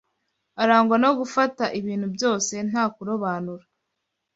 arangwa no gufata ibintu byose nta kurobanura